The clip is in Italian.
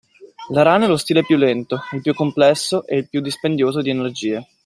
La rana è lo stile più lento, il più complesso e il più dispendioso di energie.